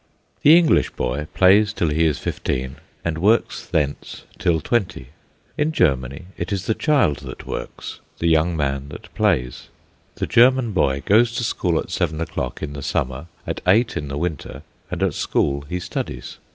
The English boy plays till he is fifteen, and works thence till twenty. In Germany it is the child that works; the young man that plays. The German boy goes to school at seven o'clock in the summer, at eight in the winter, and at school he studies.